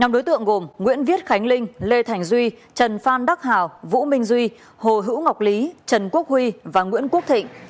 nhóm đối tượng gồm nguyễn viết khánh linh lê thành duy trần phan đắc hào vũ minh duy hồ hữu ngọc lý trần quốc huy và nguyễn quốc thịnh